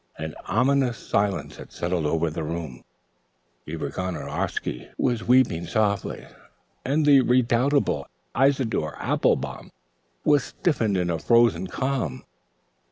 An ominous silence had settled over the room. Eva Gonorowsky was weeping softly, and the redoubtable Isidore Applebaum was stiffened in a frozen calm.